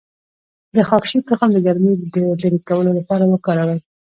د خاکشیر تخم د ګرمۍ د لرې کولو لپاره وکاروئ